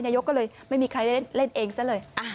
นายกก็เลยไม่มีใครได้เล่นเองซะเลย